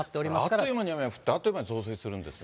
あっという間に雨が降って、あっという間に増水するんですね。